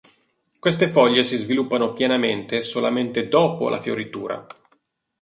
Queste foglie si sviluppano pienamente solamente dopo la fioritura.